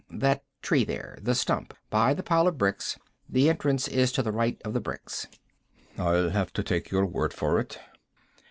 "That tree there. The stump. By the pile of bricks. The entrance is to the right of the bricks." "I'll have to take your word for it."